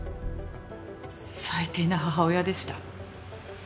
最低な母親でした。